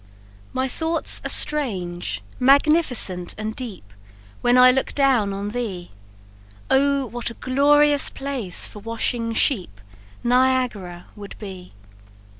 "My thoughts are strange, magnificent, and deep, When I look down on thee; Oh, what a glorious place for washing sheep Niagara would be!